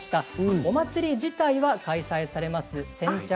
お祭り自体は開催されます。